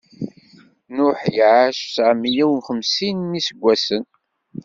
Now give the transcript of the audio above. Nuḥ iɛac tseɛ meyya uxemsin n iseggasen.